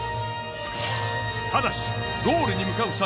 ただしゴールに向かう際